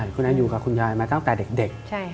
คุณแอนอยู่กับคุณยายมาตั้งแต่เด็ก